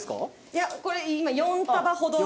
いやこれ今４束ほど。